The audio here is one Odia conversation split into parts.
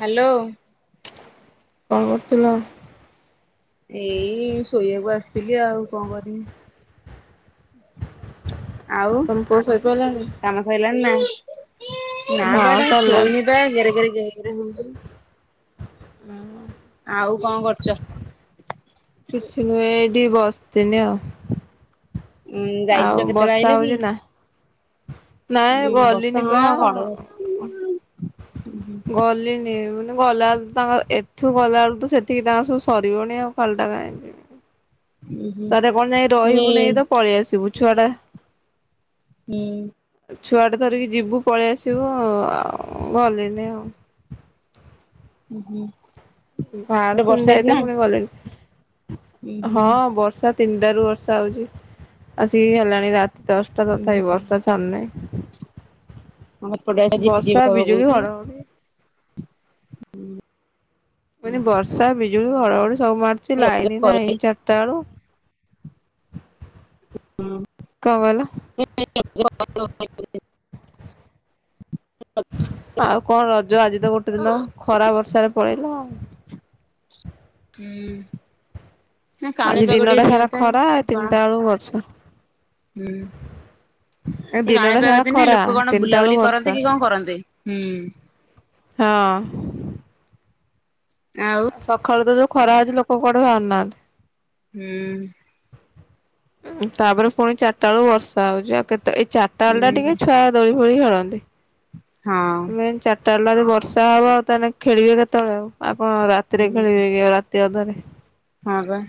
ହ୍ୟାଲୋ କଣ କରୁଥିଲ? ଏଇ ଶୋଇବାକୁ ଆସିଥିଲି ଆଉ କଣ କରିବି। ଆଉ ତମ ପୁଅ ଶୋଇପଇଲାଣି? କାମ ସରିଲାଣି ନା। ନା ବା ହଁ ଏଟା ସରିଲାଣି। ଶୋଇନି ବା ଘେରେ ଘରେ ଏରେ ହୁଡୁ୍ନୁ ହଁ ଆଉ କଣ କରୁଛ? କିଛି ନୁହେଁ। ଡି ବସିଥିଲି ଆଉ ଦି ଉଁ ଯାଇଥିଲ ଆଉ କେତେବେଳେ ବର୍ଷା ଆଇଲ କି? ହଉଛି ନା ନାଇ ଉଁ ବର୍ଷା ଗଲିଣି ବା ହଁ ଘଡଘଡି ଗଲିଣି ମୁଁ ଗଲାବେଳ ତାଙ୍କର ଏଠୁ ଗଲାବେଳୁ ତ ସେଠିକି ତାଙ୍କର ସବୁ ସରିବନି ଆଉ କାଲିଟା କାହିଁକ ଯିବି ଉଁ ହୁଁ ତରେ କଣ ଯାଇ ମାନେ ରହିବୁନାଇ ତ ପଳେଇ ଆସିବୁ ଛୁଆ ଟା ହୁଁ। ଛୁଆଟେ ଧରିକି ଯିବୁ ପଳେଇ ଆସିବୁ ଆଉ ଗଲେନି ଆଉ ହୁଁ ହୁଁ। ଭହାର ଗୋଟେ ଥିନେ ବର୍ଷା ହେଇଥିଲା ଯାଇତେ ପୁଣି ଗଲେଣି। ଉଁ ହୁଁ ହଁ ବର୍ଷା ତିନନ୍ଦାରୁ ବର୍ଷା ହଉଛି ଆସି ହେଲାଣି ରା ରାତି ଦଶଟା ଉଁ ହୁଁ ତଥାପି ବର୍ଷା ଛାଡନହି ଆମ ଏପଟେ ଆଜି ଝିପିଝିପି ବର୍ଷା ବିଜୁଳି ପକଉଛି। ଘଡଘଡି ମାନେ ବର୍ଷା ବିଜୁଳି ହଡଘଡି ସବୁ ମାରୁଛି ରଜ ଲାଇନ ନାହିଁ ପରେ ଚାରିଟା ବେଳୁ। [inaudible] ହୁଁ। କଣ କହିଲ [inaudible] [unintelligible] ଆଉ କଣ ର ଜ ଯୋଉ ଆଜି ତ ଗୋଟେ ଦିନ ଖରା ବର୍ଷାରେ ପଳିଲା। ହୁଁ। ନା ଆଜି କାଣିପାଗ ଟିକେ ଦିନଟା ସାରା ଦିଅନ୍ତା ଖରା କଣ ତିନିଟା ବେଳୁ ବର୍ଷା ହୁଁ ଏ ଏ ଦିନଟା ସାରା କାଣିପାଗ ଦିନେ ଖରା ଲୋକ କଣ ତିନିଟା ବେଳୁ ବୁଲାବୁଲି ବର୍ଷା କରନ୍ତି କି କଣ କରନ୍ତି। ହୁଁ। ହଁ। ଆଉ ସକାଳୁ ତ ଯୋଉ ଖରା ଅଉଛି ଲୋକ ପ କଡ଼ିବ ଅନାନ୍ତି। ହୁଁ ତାପରେ ପୁଣି ଚାରିଟା ବେକୁ ବର୍ଷା ହଉଛି ଆଉ କେତେ ତ ଏଇ ଚିଟାେ ହୁଁ ଟିକେ ଛୁଆ ଦଉଳିବ ହଳି ଖେଳନ୍ତି। ହଁ ମେ ଚାରିଟା ଖ ବର୍ଷା ହବ ଆଉ ତାହେଲେ ଖେଳିବେ କେତେବେଳେ ଆଉ। ହଁ ହୁଁ ରାତରେିବେ ରା ସେ ଓଧରେ ହଁ ବା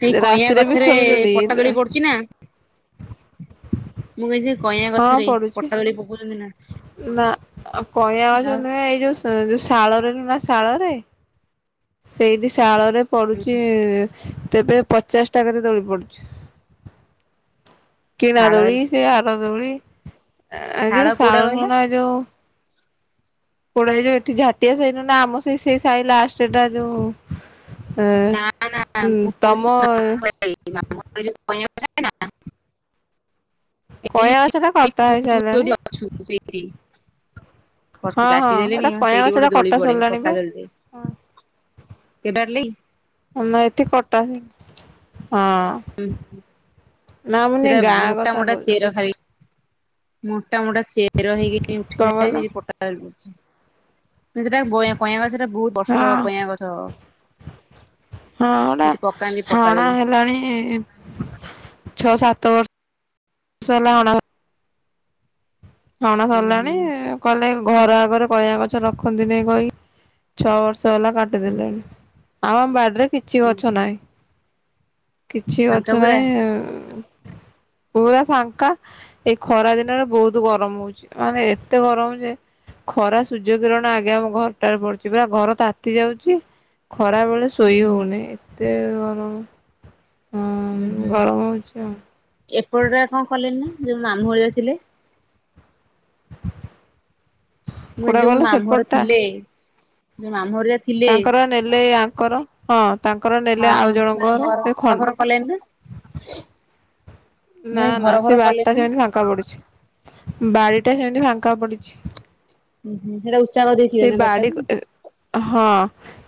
ସେଇ କଇଁଆ ରାତିରେ ବି ଗଛରେ ଖେଳୁଛନ୍ତି। ପଟାଦୋଳି ପଡୁଛି ନା ମୁଁ ଏ ହଁ ପଡୁଛି ନା କହିବା ଗଛ ଆଉ ନୁହେଁ ଏଇ ଯୋଉ ଶଳରେ କି ଶଳରେ ସେଠି ପୁଛି ତେବେ ପ ଚେଷ୍ଟା କରି ଦୋଳି ପଡୁଛି। କି ଶାଳ ନାଦ ଓଳ ଏଇ ସେ ଆର ଦୋଳି। ଶାଳ ଆ କୋଉଟା ସାଳନ କହିଲ ମନ ଆଉ କୋଡ ଯୋଉ ଏଠି ଝାଟିଆ ସାଇନୁ ନା ଆମ ସେଇ ସେ ସାଇ ଲାଷ୍ଟଟା ଯୋଉ ଏ ନା ହୁଁ ତମ ନା ମୁଁ କହୁ [inaudible] କଇଁଆ ଏ ଗଛ ଟା କଟା ହେଇସାରିଲାଣି। ଯ ଅଛୁସେଇଠି। ହଁ ହଁ କାଟିଦେଲେଣିି ଏଟା ଆ କଇଁଆ ଗଛ ସେଇଠି ଟା ଗୋଟେ କଟା ଦୋଳି ପଡେ ସରିଲାଣି ବା। ପଟା ଦୋଳିଦ କେ ଆମ ଏଠି କଟା ହେ ହୁଁ ନା ମନ ଗାଁ କଥା କହୁଛ। ମ ମୋଟ ମୋଟା ଚେର ହେଇକ କଣ ଉଠିଥାଏ କହିଲ ସେଠି ପଟାଛି। ସେଟା କଇଁ ଗଛଟା ବହୁତ ବର୍ଷ କଇଁ ଗଛ ହଁଟା ସେଠି ପକାନ୍ତି ପଟା ହାଉଣା ଦୋଳି ହେଲାଣି ଛଅ ସାତ ବର୍ଷ। ହଣା ହଣ ହୁଁ ହୁଁ ସରିଲାଣି କହଲେ ଘର ଆଗରେ କଳିଆ ଗଛ ରଖନ୍ତି ନାଇଁ କହି ଛଅ ବର୍ଷ କାଟି ଦେଲଣି। ଆ ପା ରେ କିଛି ଗଛ ଓହୋ ନାହିଁ। କିଛି ଫାଙ୍କା ଅଛୁ ପୁରା ନହିଁ। ପା ଫାଙ୍କା ଏଇ ଖରା ଦିନରେ ବହୁତ ବ ଗରମ ହଉଛି ମାନେ ଏତେ ଗରମ ଯେ ଖରା ସୂର୍ଯ୍ୟ କିରଣ ଆଗ ଆମ ଘରଟାରେ ପଡୁଛି ପୁରା ଘର ତାତି ଯାଉଛି। ଖରାବେେଳେ ଶୋଇ ହୁଁ ହୁଁ। ହେଉନି ଏତେ ଗରମ। ହଁ ହୁଁ ହୁଁ ଗରମ ହଉଛି ଆଉ ଏପଟଟା କଣ କଲେଣିି ନା ଯୋଉ ମାମୁଁ ଭଳିଆ ଥିଲେ। ମୁଁ କୋଉଟା ଯୋଉ ମୋ କହିଲ ମାମୁଁର ସେପଟଟା ଥିଲେ। ମାମୁଁ ଘର ଥିଲେ ତାଙ୍କର ନେଲେ ଏ ଆଙ୍କର ହଁ ତାଙ୍କର ନେଲେ ହଁ ଆଉ ମାନେ ଜଣଙ୍କର ଘର ଏ ଘର ଫର କଲେଣି ନା ଖଣ୍ଡ ମୁଁ ନା ଏ ନା ଘର ଫର ସେ କଲେଣି ବାରଟା ନା? ସେମିତି ଫାଙ୍କା ପଡୁଛି ବାଡିଟା ସେମିତି ପକା ପଡ଼ିଛି। ହଁ ହୁଁ ସେଇଟା ଉଚ୍ଚାଳ ଦେଇଥିବ ନା ବାଟାକୁ। ହଁ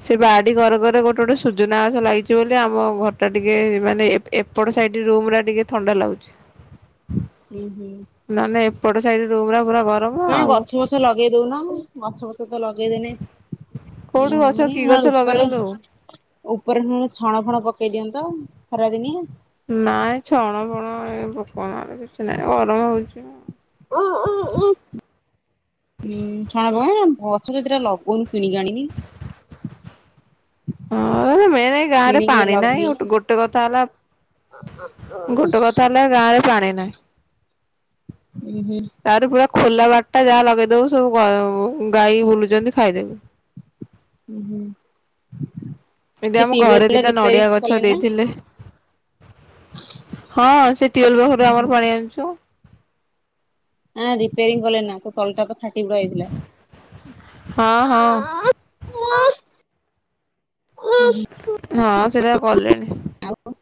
ସେ ବାଡ଼ି ଘରର ଗଟେ ଗୋଟେ ସୁଜନା ଆସ ଲାଗଛି। ଯେ ବୋଲି ଆମ ଘରଟା ଟିକେ ମାନେ ଏପଟ ସାଇଡ଼ ରୁମା ଟିକେ ଥଣ୍ଡା ଲାଗୁଛି। ହୁଁ ହୁଁ ନହେଲେ ଏପଟ ସାଇଡ ରୁମ ଟା ପୁରା ଗରମ ନ ଆଉ ଗଛ ଫଛ ଲଗେଇ ଦଉନା ଗଛ ଫଛ ଲଗେଇଦେଲେନ କୋଉଠି ଗଛ କି ଗଛ ଉପରେ ଲଗେଇବୁଲୁ ଉପରେେ ଛଣ ଫଣ ପ କେଇ ଦିଅନ୍ତ ଖରାଦିନି ଫନା କିଛି ନାହିଁ ଗରମ ହଉଛି। [inaudible] ଉଁ ଉଁ ସାର କଣ? ବଛରେତଟା ଲଗନୁ କିଣି ଆଣିକି। ହଁମ ନାଇଁ ଗାଁ ରେ କିଣିକି ପାଣି ନାହିଁ ଲଗେଇନି ଗ ଗୋଟେ କଥା ହେଲା ଗୋଟେ କଥା ହେଲା ଗାଁରେ ପାଣି ନାହିଁ। ଉଁ ହୁଁ ତାର ପୁରା ଖୋଲା ବାଟ। ଖଟଟା ଯାହା ଲଗେଇଦବୁ ସବୁ ଗାଈ ବୁଲୁଛନ୍ତି ଖାଇଦେବି। ହୁଁ ହୁଁ ଏମତି ସେ ଆମ ଟ୍ୟୁବଲ ଘରେ ଟା ଦିଟା ରିପାରିଂ ନଡିଆ କଲେ ଗଛ ନା। ଦେଇଥିଲେ। ହଁ ସେ ଟିଅଲ ଉଁ ପାଖରେ ହୁଁ ଆମର ପାଣି ଆଣିଛୁ। ହଁ ରିପୋରିଂ କଲେ ନା ତଲ ଟ ତା ଥିଲା ହଁ ହଁ ହଁ ସେଇଟା କଲେଣି। ଆଉ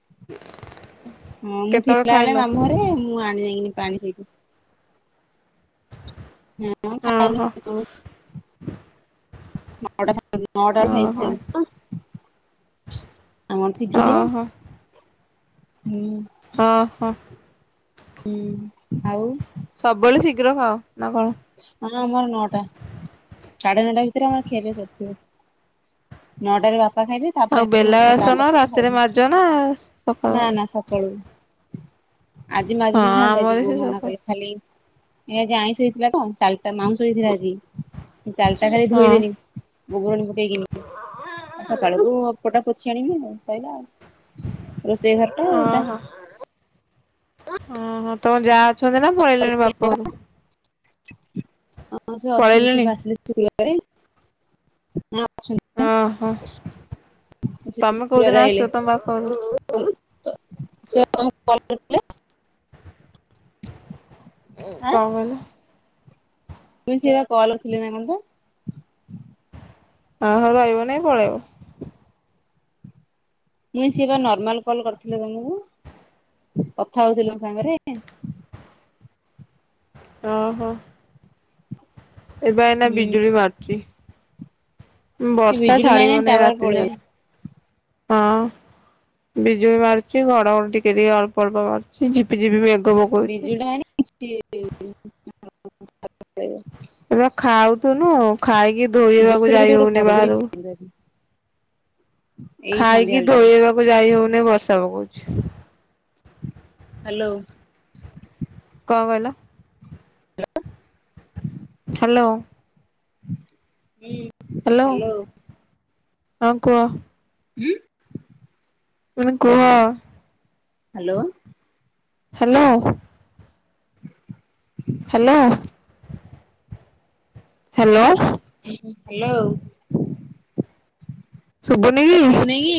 [inaudible] ହଁ ମୁଁ ଥିଲା କେତେବେଳେ ବଳେ ଖାଇଲ? ମାମୁଁରେ ମୁଁ ଆଣି ଯାଇକିନି ପାଣି ସେକ ହୁଁ ଖାଇଲିନି ଓହୋ କେତେବେଳୁ ମଟା ଅ ଖାଇ ଓହୋ ଏ ଶ୍ର ଓହୋ ଓହୋ। ହୁଁ ହୁଁ ଆଉ ସବୁବେଳେ ଶୀଘ୍ର ଖାଅ ନା, କଁ ଣ ହଁ ଆମର ନଅଟା ସାଢେ ନଅଟା ଭିତରେ ଆମର ଖିଆପିଆ ସରିଥଵ ନଅଟାରେ ବାପ ଆଉ ବେଲା ବାସନ ରାତିରେ ମଜ ନା ସକାଳୁ ନା ମାଜ? ନା ସକାଳୁ ଆଜି ମାଝେ ହଁ ଦତା ଆଜି ଆମର ବୋଉ ସେ ମନା ସକାଳୁ କଲି ଖାଲି ଏ ଆଜି ଆଇଁଷ ହେଇଥିଲା ତ ଚାଲଟା ମାଉଁସ ହେଇଥିଲା ଆଜି। ଚାଲଟା ଖାଲି ଧୋଇ ହଁ ଦିନି ଗୋବରଣ ଫୁକେଇକିନ ସକାଳେୁ ତୁପଟା ପୋଛି ଆଣିବି କହିଲା ଆଉ ରୋଷେଇ ଘର ଟା ଏଇଟା ଓହ। ତମ ଯାହା ଅଛନ୍ତି ନା ପଳେଇଲେଣି ବାପ ଘରୁ। ହଁ ସେ ଅଛନ୍ତି ସେ ପଳେଇଲେଣି। ବାସିଲେ ଆରେ। ଓହୋ ସେ ତମେ କଉଦିନ ଆସିବତମ ବାପ ଘରୁ। ସେ ପା ତମକୁ କଲ କରିଥିଲେ। କଣ କହିଲ? ମୁଇଁ ସେ ବା କଲ୍ କରିଥିଲି ନା କଣ ପା। ଆ ତା ଘର ପାଇବ ନାଇଁ ପଳେଇବ । ମୁଇ ସି ବା ନର୍ମାଲ କଲ କରିଥିଲେ ତମକୁ କଥା ହଉଥିଲ ତମ ସାଙ୍ଗରେ । ଓହୋ। ଏବେ ଏଇନେ ବିଜୁଳି ମାରୁଛି ଏ ବର୍ଷା ବିଜୁଳି ମାଇନେ ଛାଡ଼ିବ ନାହିଁ ଟାୱାର ରାତି ପଳେଇବ। ଯାଏ। ହଁ ବିଜୁଳି ମାରୁଛି ଘଡଘଡି ଟିକେ ଟିକ ଅଳ୍ପ ଅଳ୍ପ ମାରୁଛି ଝିପିଝିପି ମେଘ ପକଉଛି। ବିଜୁଳି ଟା ମାରି ଲେ [unintelligible] [unintelligible] ଏବେ ଖାଉଥୁନୁ ଖାଇକି ଧୋଇହବାକୁ ଜୋରସୋର କେତେ ଯାଇ ଗୋଟେ ହଉନି ଘଡଘଡି ବାହାରୁକୁ ଏଇ ଖାଇକି ସନ୍ଧ୍ୟାବେଳଟାରେ ଧୋଇହବାକୁ ଯାଇ ହଉନି । ନି ବର୍ଷା ପକଉଛି। ହ୍ୟାଲୋ। କଣ କହିଲ? ହାଲୋ। ହୁଁ। ହାଲୋ। ହଁ କୁହ। ଉଁ ତୁମେ କୁହ। Hello. Hello. [inaudible] Hello. Hello. Hello. ଶୁଭୁନି କି? ଶୁଭୁନେଇ କି?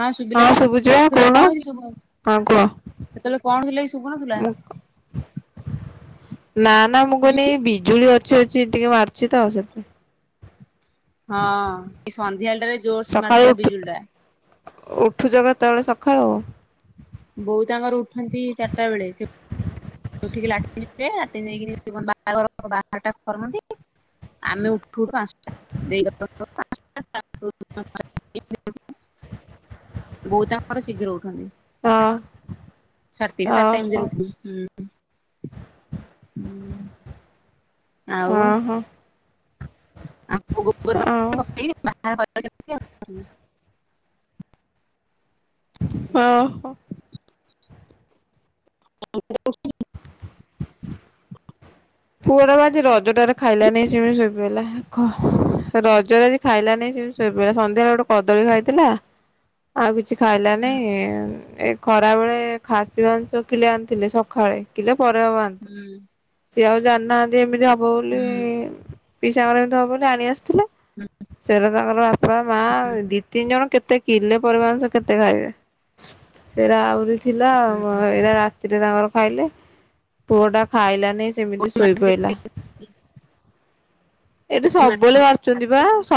ହଁ ଶୁଭିଲା ବା ସେତେବେଳେ କଣ ହେଇଚି କି ଶୁଭୁ ନ ହଁ କୁହ। ସେତେବେଳେ କଣ ହଇଥିଲା କି ଶୁଭୁନଥିଲା ମୁଁ । ନା ନା ମୁଁ କହୁନି ବିଜୁଳି ଅ ଚଡଚଡି ଟିକେ ମାରୁଛି ତ ସେଥିପାଇଁ। ହଁ ଏଇ ସ ସନ୍ଧ୍ୟା ବେଳଟାରେ ଜୋରସେ ସକାଳୁ ମାରୁଥିଲା ଉଠୁ ବିଜୁଳି ଟା । ଉଠୁଛ କେତେବେଳେ ସଖାଳୁ ବୋଉ ତାଙ୍କର ଉଠନ୍ତି ଚାରିଟା ବେଳେ ସେ ଉଠିକି ଲାଟିନ ଯିବେ ଲାଟିନ ଯାଇକିରି କନ ବାହାରଘର ବାହାରଟା ଖରକନ୍ତି ଆମେ ଉଠୁୁ ଉଠୁ ପାଞ୍ଚଟା ଦେଇ [unintelligible] ବୋଉ ତାଙ୍କର ଶୀଘ୍ର ଉଠନ୍ତି। ହଁ ସାଡତିନିଟା ଚାରି ଟା ଏମତି ଓହୋ ରେ ଉଠନ୍ତି ହୁଁ। [unintelligible] ହୁଁ। ଓ ହୋ। ଆ ଆଉ [unintelligible] [unintelligible] ଓ ହୋ। [inaudible] [unintelligible] ଖାଇଲା ନେଇ ସେମିତି ଶୋଇ ପଇଲା। ରଜରାଜି ଖାଇଲାନି ସେମିତି ଶୋଇପଇଲା। ସନ୍ଧ୍ୟାଳେ ଗୋଟେ କଦଳୀ ଖାଇଥିଲା। ଆଉ କି ସି ଖାଇଲାନାଇଁ। ଏ ଖରା ବେଳେ ଖାସିବାଂଶ କିଲେ ଆଣିଥିଲେ। ସକାଳେ କିଲେ ପରେ ହକୁ ଆଣିନ୍ତିଥିଲି। ଖାଉନ ସି ଆଉ ଜାନନାହାନ୍ତି ଏମିତି ହବ ବୋଲି। ପିସା ଙ୍କା ଘରେ ଏମିତି ହେବ ବୋଲି ଆଣି ଆ ସେଟ ତାଙ୍କର ବାପା ମା ଦି ତିନି ଜଣ କେତେ କିିଲେ ପରେ ମାଂସ କେତେ ଖାଇବେ। ସେଇରା ଆହୁରି ଥିଲା ଏରା ରା ସେରେ ତାଙ୍କର ଖାଇଲେ ପୁଅ ଟା ଖାଇଲାନି। ସେମିତି ଶୋଇପଇଲା। ଏଇଠି ସବୁବେଳେ ବାରୁଛନ୍ତି ବା ସ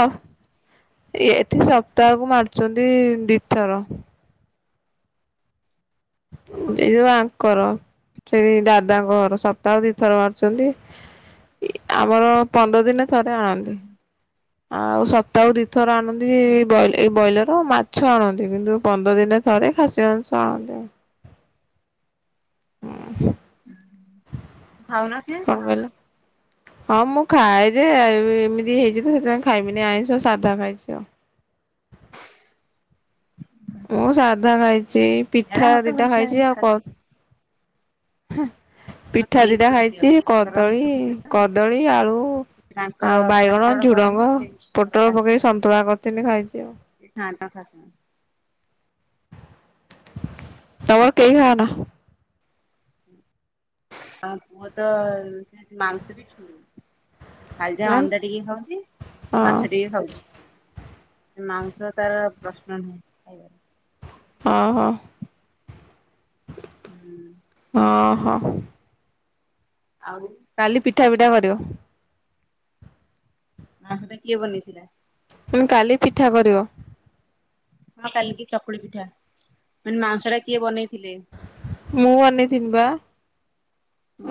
ଏଠି ସପ୍ତାହକୁ ମାରୁଛନ୍ତି ଦିଥର। ଏ ବା ୟାଙ୍କର। ସେ ଦାଦାଙ୍କ ଘର ସପ୍ତାହ ଦିଥର ମାରୁଛନ୍ତି। ଆମର ପନ୍ଦର ଦିନ ଥରେ ଆଣନ୍ତି। ଆ ଆଉ ସପ୍ତାହକୁ ଦି ଥର ଆଣନ୍ତି। ବ୍ରଏ ଏଇ ବ୍ରଏଲର ମାଛ। ଛୁ ଆଣନ୍ତି କିନ୍ତୁ ପନ୍ଦର ଦିନେ ଥରେ ଖାସିିମାଂସ ଆଣନ୍ତି ଆଉ। ଉଁ ହୁଁ। ଖାଉନାଛି କଣ ତ କହିଲ? ହଁ ମୁଁ ଖାଏ ଯେ ଏମିତି ହେଇଛି ତ ସେଥିପାଇଁ ଖାଇବିନି ଆଇଁଷ ସାଧା ଖାଇଛି ଆଉ। ମୁଁ ସାଧା ଖାଇଛି ସେଇ ଏରା ପିଠା ମତେ ଭଲ ଦିଟା ଲାଗେନି ଖାଇଛି ଆଉ ଖାସି କଣ ହ ଆମ ପିଠା ଦିଟା ଦେଇଙ୍କର ପ୍ରିୟ ଖାଇଛି ତାଙ୍କର କଦଳୀ କଦଳୀ ଆଳୁ ସେ ତାଙ୍କର ଆଉ ଝାଡ଼ା ବାଇଗଣ ବଡ଼ କରନ୍ତି ଝୁଡଙ୍ଗ ସେ ତାଙ୍କର ପୋଟଳ ଖାସି ପକେଇ ଫାସି ସନ୍ତୁଳା କରିଥିନି ଖାଇଛି ଆଉ। ସେ ଖାଆନ୍ତି ତାଙ୍କ ଖାସି ମାଂସ ତମର କେହି ଖାଅନା? ଆ ପୁଅ ତ ସେ ମାଂସ ବି ଛୁଏଁନି । ଖାଲି ଯାହା ଆଁ ଅଣ୍ଡା ଟିକେ ଖାଉଛି ହଁ ମାଛ ଟିକେ ଖାଉଛି। ମାଂସ ତାର ପ୍ରଶ୍ନ ନୁହେଁ ଖାଇବାର ହଁ ହଁ। ହୁଁ ଓହୋ। ଆଉ କାଲି ପିଠା ପିଠା କରିବ । ନା ସେଟା କିଏ ବନେଇଥିଲା? ତମେ କାଲି ପିଠା କରିବ। ହଁ କାଲିକି ଚକୁଳି ପିଠା ମାନେ ମାଂସ ଟା କିଏ ବନେଇଥିଲେ? ମୁଁ ବନେଇଥିନି ବା ।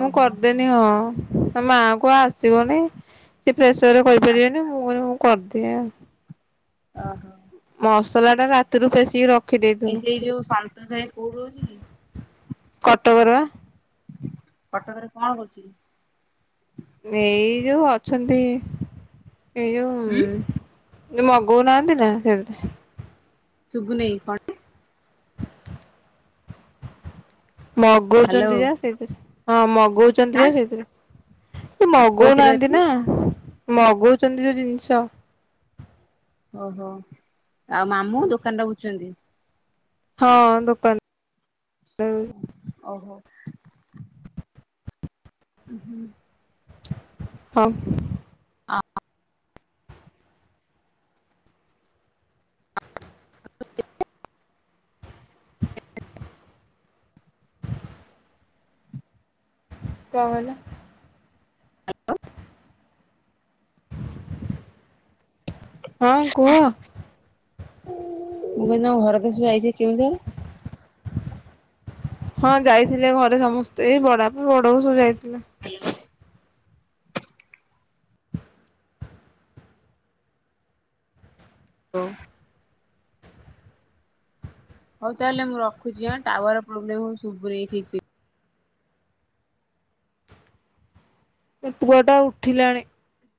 ମୁଁ ଓହୋ କରିଦେନି ହଁ । ଆ ମାଆକୁ ଆସିବନି ସେ ପ୍ରେସର୍ ରେ ଆ କରିପାରିବେନି ମୁଁ କହିନି ମୁଁ କରିଦିଏ। ଓହୋ। ମସଲା ରାତିରୁ ପେଶୀକି ରଖି ଏ ସେଇ ଯୋଉ ସାଆନ୍ତ ସାହି କୋଉଠି ରହୁଛି କି? କଟକର ବା କଟକରେ କଣ କରୁଛି? ଏଇ ଯୋଉ ଅଛନ୍ତି ଏଇ ଉଁ ଯୋଉ ମଗଉ ନାହାଁନ୍ତି ନା ସେମତି । ଶୁଗୁନେଇଁ କଣ? ହ୍ୟାଲୋ ମଗଉଛନ୍ତି ଯା ସେଇଥିରେ ହଁ ମଗ ଗଉଛନ୍ତି ଆଁ ଯୋଉ ସେଇଥିରେ ଏ ମଗଉ କୋଉଥିରେ ନାହାଁନ୍ତି ଅଛି? ନା ମଗଉଛନ୍ତି ଯୋଉ ଜିନିଷ । ଓହୋ। ଆଉ ମାମୁଁ ଦୋକାନରେ ରହୁଛନ୍ତି। ହଁ ଦୋକାନ। ଓହୋ। ହୁ ହୁଁ। ହଁ। କଁ କହିଲେ? ହ୍ୟାଲୋ। ହଁ କୁହ। ମୁଁ କହିଲି ତମ ଘରକୁ ଯୁ ଯାଇଥିଲି ଚିହ୍ନିଥିବ। ହଁ ଯାଇଥିଲେ ଘରେ ସମସ୍ତେ ଏ ବଡ ବାପା ବଡବୋଉ ସବୁ ଯାଇଥିଲେ। ହ [inaudible] ହଉ ତାହେଲେ ମୁଁ ରଖୁଛିହେଁ ଟାୱାର ର ପ୍ରୋବ୍ଲେମ ହଉଛି ସୋବୁନି ଠିକ ସେ। ଏ ପୁଅ ଟା ଉଠିଲାଣି।